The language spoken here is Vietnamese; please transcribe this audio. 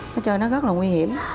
nó chơi nó rất là nguy hiểm